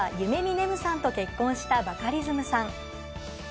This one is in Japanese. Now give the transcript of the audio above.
ねむさんと結婚したバカリズムさん。